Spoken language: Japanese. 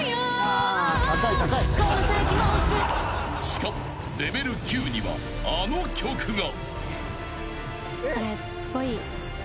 ［しかもレベル９にはあの曲が］